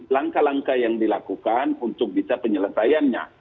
langkah langkah yang dilakukan untuk bisa penyelesaiannya